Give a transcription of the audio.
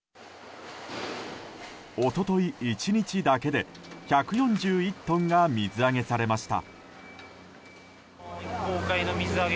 一昨日１日だけで１４１トンが水揚げされました。